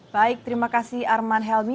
baik terima kasih arman helmi